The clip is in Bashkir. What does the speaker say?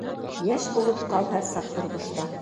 Йәш булып ҡал һәр саҡ тормошта.